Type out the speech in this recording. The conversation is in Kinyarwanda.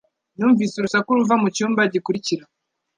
Numvise urusaku ruva mucyumba gikurikira